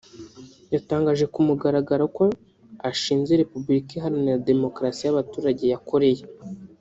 yatangaje ku mugaragaro ko ashinze Repubulika iharanira Demokarasi y’abaturage ya Koreya